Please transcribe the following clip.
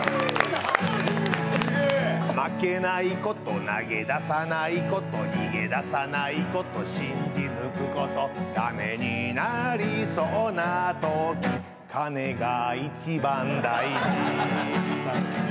負けないこと、投げ出さないこと、逃げ出さないこと信じ抜くことだめになりそうなとき金が一番大事。